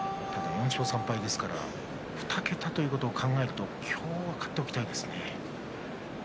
４勝３敗ですから２桁ということを考えると今日は勝っておきたいですね。